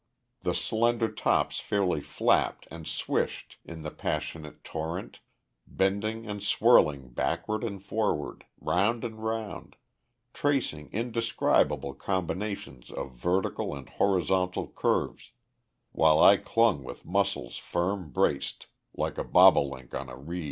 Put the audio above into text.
The slender tops fairly flapped and swished in the passionate torrent, bending and swirling backward and forward, round and round, tracing indescribable combinations of vertical and horizontal curves, while I clung with muscles firm braced, like a bobolink on a reed.